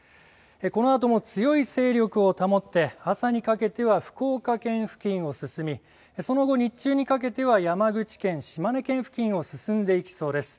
このあとも強い勢力を保って朝にかけては福岡県付近を進みその後、日中にかけては山口県、島根県付近を進んでいきそうです。